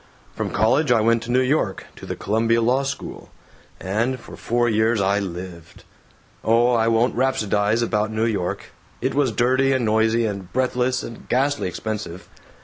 From college I went to New York, to the Columbia Law School. And for four years I lived. Oh, I won't rhapsodize about New York. It was dirty and noisy and breathless and ghastly expensive.